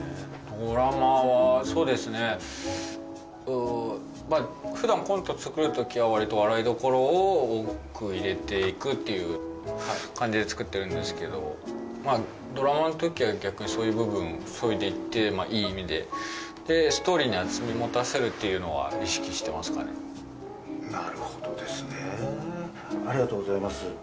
ドラマはそうですね普段コント作る時は割と笑いどころを多く入れていくっていう感じで作ってるんですけどドラマの時は逆にそういう部分をそいでいっていい意味ででストーリーに厚み持たせるっていうのは意識してますかねなるほどですねありがとうございます